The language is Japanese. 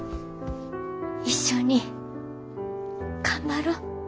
一緒に頑張ろ。